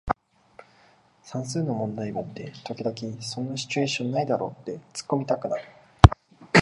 算数の問題文って時々そんなシチュエーションないだろってツッコミたくなる